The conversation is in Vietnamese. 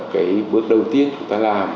cái bước đầu tiên chúng ta làm